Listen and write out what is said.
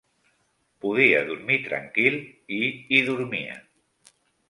Podia dormir tranquil i hi dormia